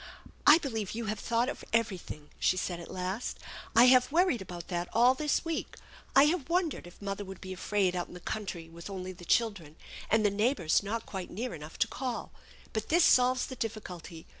" I believe you have thought of everything/' she said at last. " I have worried about that all this week. I have won dered if mother would be afraid out in the country with only the children, and the neighbors not quite near enough to call ; but this solves the difficulty.